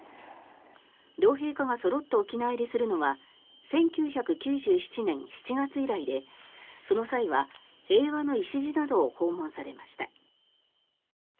両陛下がそろって沖縄入りするのは１９９７年７月以来でその際は平和の礎などを訪問されました。